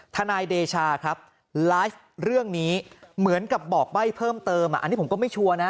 ทนายเดชาครับไลฟ์เรื่องนี้เหมือนกับบอกใบ้เพิ่มเติมอันนี้ผมก็ไม่ชัวร์นะ